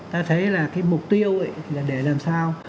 ta thấy là cái mục tiêu để làm sao